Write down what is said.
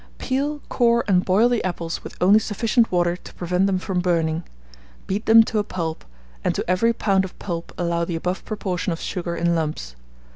Peel, core, and boil the apples with only sufficient water to prevent them from burning; beat them to a pulp, and to every lb. of pulp allow the above proportion of sugar in lumps.